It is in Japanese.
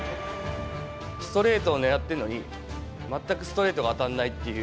ストレートを狙っているのに、全くストレートが当たらないっていう。